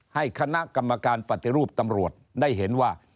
ให้คณะกรรมการปฏิรูปตำรวจได้เห็นว่า